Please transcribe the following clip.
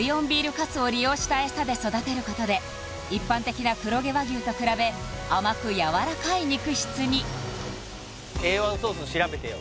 粕を利用したエサで育てることで一般的な黒毛和牛と比べ甘くやわらかい肉質にＡ１ソース調べてよ